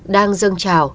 đang dâng trào